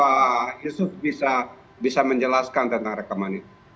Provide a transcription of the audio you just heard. pak yusuf bisa menjelaskan tentang rekaman itu